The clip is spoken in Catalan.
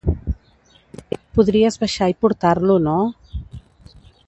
Podries baixar i portar-lo, no?